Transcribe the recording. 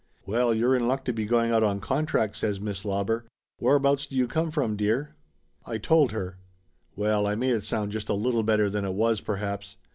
"Well, you're in luck to be going out on contract!" says Miss Lauber. "Whereabouts do you come from, dear?" I told her. Well, I made it sound just a little better than it was, perhaps.